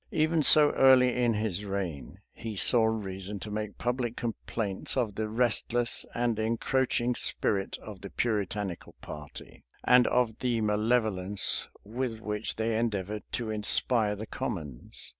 Even so early in his reign, he saw reason to make public complaints of the restless and encroaching spirit of the Puritanical party, and of the malevolence with which they endeavored to inspire the commons.